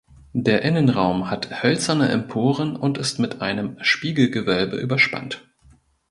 Der Innenraum hat hölzerne Emporen und ist mit einem Spiegelgewölbe überspannt.